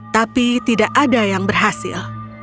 tapi tidak ada yang berhasil